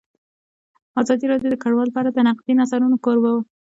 ازادي راډیو د کډوال په اړه د نقدي نظرونو کوربه وه.